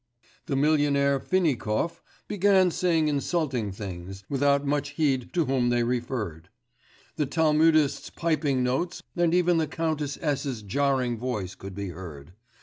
_' The millionaire Finikov began saying insulting things, without much heed to whom they referred; the Talmudist's piping notes and even the Countess S.'s jarring voice could be heard....